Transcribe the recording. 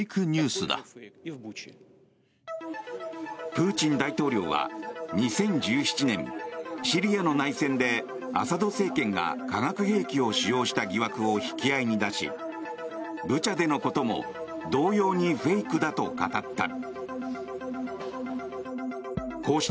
プーチン大統領は２０１７年、シリアの内戦でアサド政権が化学兵器を使用した疑惑を引き合いに出しブチャでのことも同様にフェイクだと語った。